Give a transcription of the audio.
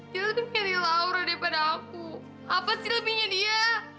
kita lebih cari laura daripada aku apa sih lebihnya dia